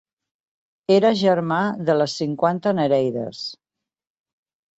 Era germà de les cinquanta nereides.